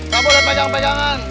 kamu lihat pegangan pegangan